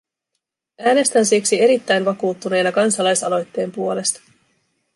Äänestän siksi erittäin vakuuttuneena kansalaisaloitteen puolesta.